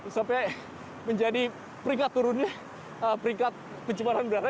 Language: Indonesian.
sampai menjadi peringkat turunnya peringkat pencemaran udara